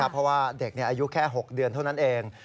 เพราะว่าเด็กอายุแค่๖เดือนเท่านั้นเอง